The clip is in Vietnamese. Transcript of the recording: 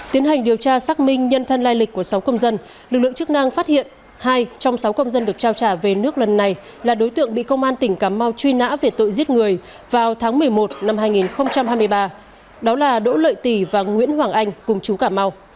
tiến hành điều tra xác minh nhân thân lai lịch của sáu công dân lực lượng chức năng phát hiện hai trong sáu công dân được trao trả về nước lần này là đối tượng bị công an tỉnh cà mau truy nã về tội giết người vào tháng một mươi một năm hai nghìn hai mươi ba đó là đỗ lợi tỷ và nguyễn hoàng anh cùng chú cà mau